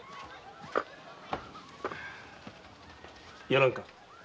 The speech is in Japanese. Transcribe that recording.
やらんか？